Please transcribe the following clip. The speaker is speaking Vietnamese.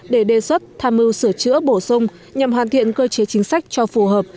để đề xuất tham mưu sửa chữa bổ sung nhằm hoàn thiện cơ chế chính sách cho phù hợp